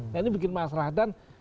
nah ini bikin masalah dan